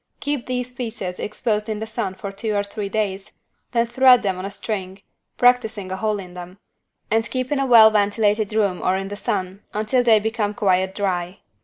Keep these pieces exposed in the sun for two or three days, then thread them on a string (practising a hole in them) and keep in a well ventilated room or in the sun until they become quite dry.